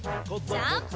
ジャンプ！